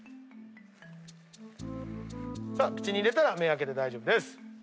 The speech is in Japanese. さあ口に入れたら目開けて大丈夫です。